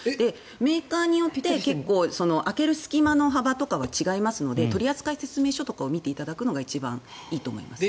メーカーによって空ける隙間の幅とかは違いますので取扱説明書を見ていただくのがいいと思います。